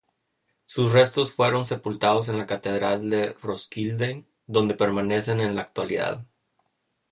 Sus restos fueron sepultados en la Catedral de Roskilde, donde permanecen en la actualidad.